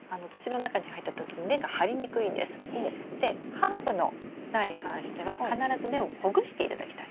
ハーブの苗に関しては必ず根をほぐしていただきたい。